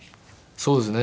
そうですね。